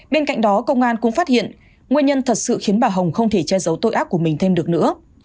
bên cạnh đó công an cũng phát hiện nguyên nhân thật sự khiến bà hồng không thể che giấu tội ác của mình thêm được nữa